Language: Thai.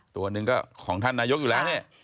ตัวหนึ่งก็ของท่านนายกอยู่แล้วนี่